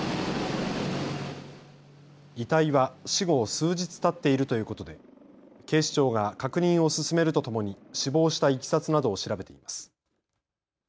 遺体は死後、数日たっているということで警視庁が確認を進めるとともに死亡したいきさつなどを調べています。